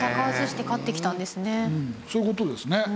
そういう事ですね。